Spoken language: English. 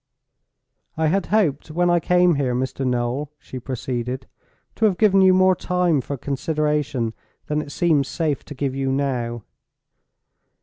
"I had hoped, when I came here, Mr. Noel," she proceeded, "to have given you more time for consideration than it seems safe to give you now.